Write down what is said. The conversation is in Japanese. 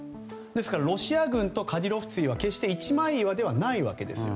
ですからロシア軍とカディロフツィは一枚岩ではないわけです。